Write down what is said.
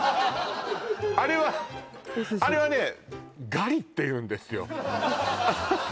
あれはあれはねお寿司ガリっていうんですよ